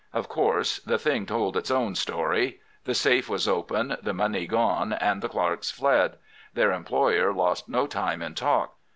Of course the thing told its own story. The safe was open, the money gone, and the clerks fled. Their employer lost no time in talk.